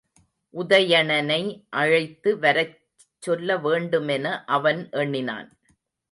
உதயணனை அழைத்து வரச் சொல்ல வேண்டுமென அவன் எண்ணினான்.